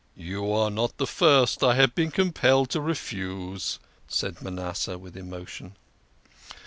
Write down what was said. "You are not the first I have been compelled to refuse," said Manasseh, with emotion.